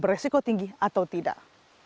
beresiko tinggi atau tidak